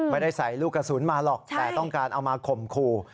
ไม่ได้ใส่ลูกกระสุนมาหรอกแต่ต้องการเอามาข่มขู่